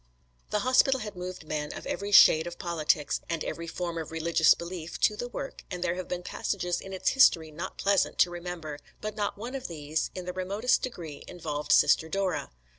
The hospital had moved men of every shade of politics, and every form of religious belief, to the work, and there have been passages in its history not pleasant to remember, but not one of these in the remotest degree involved Sister Dora.